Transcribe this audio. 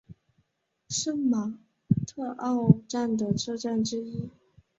圣马特奥站的车站之一。